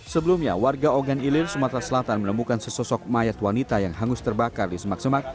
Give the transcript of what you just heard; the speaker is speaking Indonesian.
sebelumnya warga ogan ilir sumatera selatan menemukan sesosok mayat wanita yang hangus terbakar di semak semak